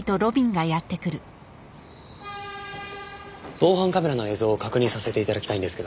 防犯カメラの映像を確認させて頂きたいんですけど。